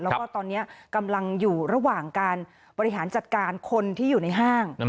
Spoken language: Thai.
แล้วก็ตอนนี้กำลังอยู่ระหว่างการบริหารจัดการคนที่อยู่ในห้าง